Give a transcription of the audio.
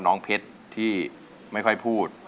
น้องเพชรที่ไม่ค่อยพูด